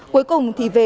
cuối cùng thì về